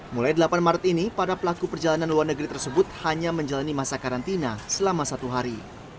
mulai delapan maret ini para pelaku perjalanan luar negeri tersebut hanya menjalani masa karantina selama satu hari